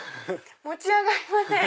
持ち上がりません。